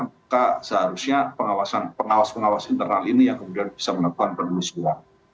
maka seharusnya pengawasan pengawas internal ini yang kemudian bisa menemukan perlisik juga